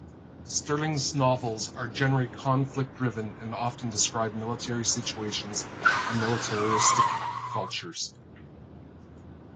Stirling's novels are generally conflict-driven and often describe military situations and militaristic cultures.